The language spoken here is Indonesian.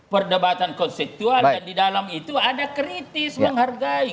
perdebatan konseptual dan di dalam itu ada kritis menghargai